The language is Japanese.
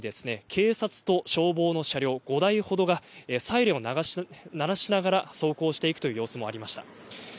警察と消防の車両５台ほどがサイレンを鳴らしながら走行していくという様子もありました。